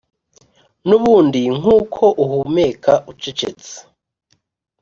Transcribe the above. nubundi nkuko uhumeka, ucecetse.